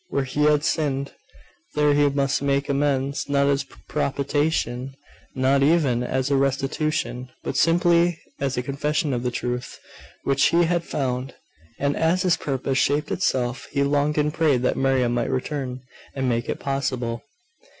Where he had sinned, there he must make amends; not as a propitiation, not even as a restitution; but simply as a confession of the truth which he had found. And as his purpose shaped itself, he longed and prayed that Miriam might return, and make it possible.